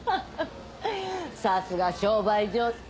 さすが商売上手。